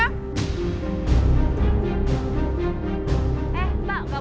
eh pak gak boleh begitu doang